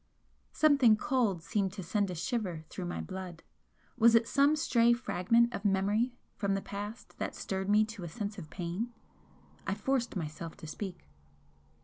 Something cold seemed to send a shiver through my blood was it some stray fragment of memory from the past that stirred me to a sense of pain? I forced myself to speak.